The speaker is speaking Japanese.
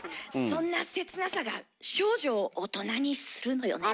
そんな切なさが少女を大人にするのよね。